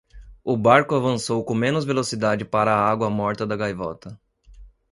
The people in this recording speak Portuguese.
O barco avançou com menos velocidade para a água morta da gaivota.